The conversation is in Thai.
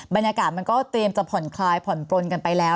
บรรยากาศมันก็เตรียมจะผ่อนคลายผ่อนปลนกันไปแล้ว